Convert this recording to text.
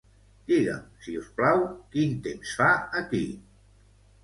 Digue'm, si us plau, quin temps fa aquí.